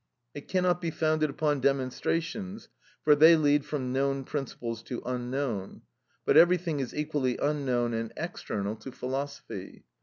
It cannot be founded upon demonstrations, for they lead from known principles to unknown, but everything is equally unknown and external to philosophy.